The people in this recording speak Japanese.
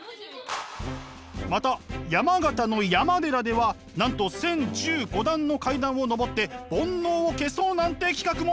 また山形の山寺ではなんと１，０１５段の階段を上って煩悩を消そうなんて企画も。